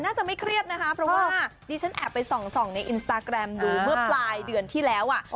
น่าจะไม่เครียดนะคะเพราะว่าดิฉันแอบไปส่องในอินสตาแกรมดูเมื่อปลายเดือนที่แล้วอ่ะ